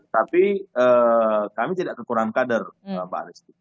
tapi kami tidak kekurangan kader mbak restu